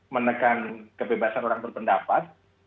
menekan kebebasan orang berpendapat